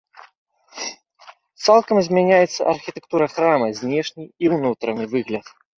Цалкам змяняецца архітэктура храма, знешні і ўнутраны выгляд.